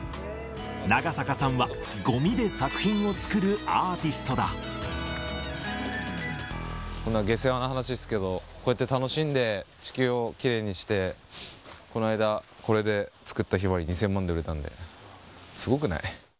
長坂さんはごみで作品を作るアーこんな、下世話な話ですけど、こうやって楽しんで、地球をきれいにして、この間、これで作った向日葵、２０００万で売れたんで、すごくない？